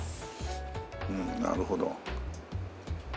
うんなるほど。